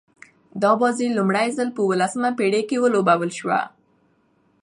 دا بازي لومړی ځل په اوولسمه پېړۍ کښي ولوبول سوه.